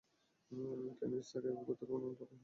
কেননা, ইসহাক একক পুত্রও নন, প্রথম পুত্রও নন।